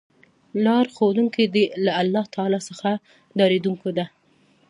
لار ښودونکی دی له الله تعالی څخه ډاريدونکو ته